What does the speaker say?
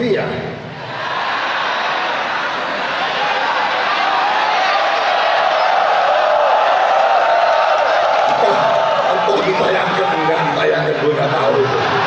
entah entah ditayangkan nggak ditayangkan gue nggak tahu itu